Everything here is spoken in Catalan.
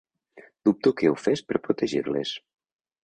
Dubto que ho fes per protegir-les.